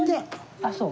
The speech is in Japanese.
あっそう。